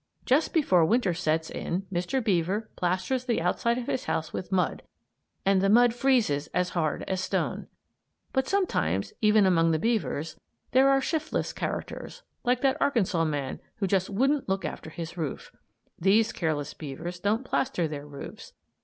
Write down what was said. Just before Winter sets in Mr. Beaver plasters the outside of his house with mud, and the mud freezes as hard as a stone. But sometimes, even among the beavers, there are shiftless characters, like that Arkansas man who just wouldn't look after his roof. These careless beavers don't plaster their roofs.